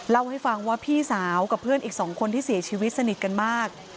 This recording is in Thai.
เล่าให้ฟังว่าพี่สาวกับเพื่อนอีก๒คนที่เสียชีวิตสนิทกันมาก